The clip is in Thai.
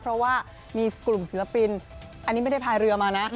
เพราะว่ามีกลุ่มศิลปินอันนี้ไม่ได้พายเรือมานะ